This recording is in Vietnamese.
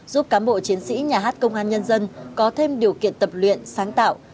giúp cán bộ chiến sĩ nhà hát công an nhân dân có thêm điều kiện tập luyện sáng tạo